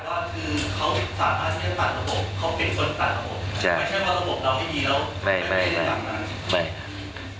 คือเขาสามารถเชื่อต่างระบบเขาเป็นคนต่างระบบไม่ใช่ว่าระบบเราให้ดีแล้ว